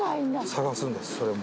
探すんですそれも。